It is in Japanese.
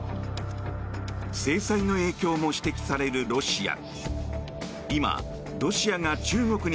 制裁の影響も指摘されるロシア。